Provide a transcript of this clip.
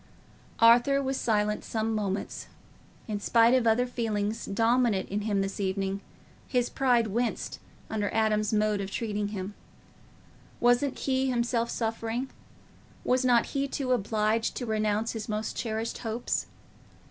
Arthur was silent some moments. In spite of other feelings dominant in him this evening, his pride winced under Adam's mode of treating him. Wasn't he himself suffering? Was not he too obliged to renounce his most cherished hopes?